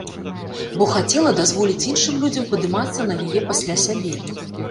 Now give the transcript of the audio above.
Бо хацела дазволіць іншым людзям падымацца на яе пасля сябе.